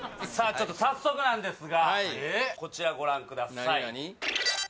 さあちょっと早速なんですがこちらご覧ください